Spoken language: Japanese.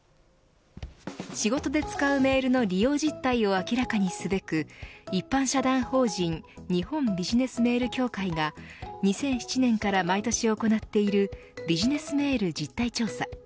仕事で使うメールの利用実態を明らかにするべく一般社団法人日本ビジネスメール協会が２００７年から毎年行っているビジネスメール実態調査